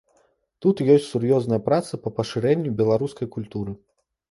Тут ёсць сур'ёзная праца па пашырэнню беларускай культуры.